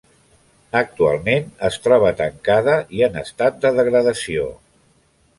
Actualment es troba tancada i en estat de degradació.